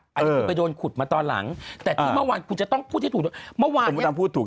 เอออันนี้คือไปโดนขุดมาตอนหลังแต่ที่เมื่อวานคุณจะต้องพูดให้ถูก